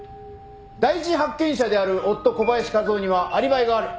第一発見者である夫小林和男にはアリバイがある。